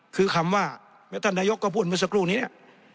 คือคำว่าแล้วท่านนายกก็พูดเมื่อสักครู่นี้เนี่ย